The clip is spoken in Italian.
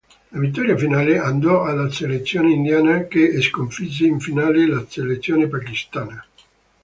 La vittoria finale andò alla selezione indiana che sconfisse in finale la selezione pakistana.